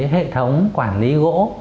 hệ thống quản lý gỗ